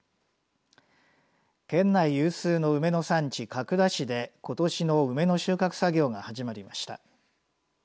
県内有数の梅の産地、角田市でことしも梅の収穫作業が始まりました。